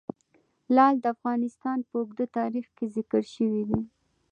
لعل د افغانستان په اوږده تاریخ کې ذکر شوی دی.